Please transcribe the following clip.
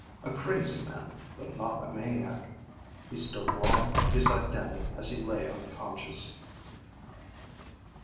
A crazy man, but not a maniac. He stood long beside Dannie as he lay unconscious.